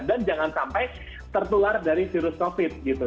jangan sampai tertular dari virus covid gitu